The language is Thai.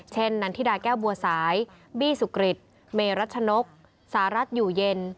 นันทิดาแก้วบัวสายบี้สุกริตเมรัชนกสหรัฐอยู่เย็น